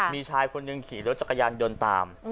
มีชายคนหนึ่งขี่รถจักรยานยนต์ตาม